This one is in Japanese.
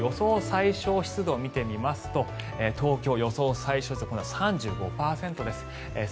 最小湿度を見てみますと東京、予想最小湿度３５％です。